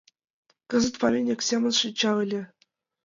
Кызыт памятник семын шинча ыле.